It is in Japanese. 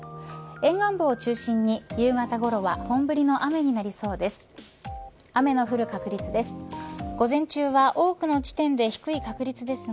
沿岸部を中心に夕方ごろは本降りの雨になりそうです。